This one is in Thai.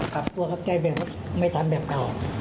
ครับตัวครับใจแบบเมื่อฉั่นแบบเช่า